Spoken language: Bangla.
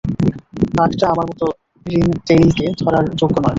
বাঘটা আমার মতো রিংটেইলকে ধরার যোগ্য নয়।